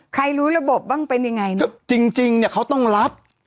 รู้ระบบบ้างเป็นยังไงนะจริงจริงเนี่ยเขาต้องรับ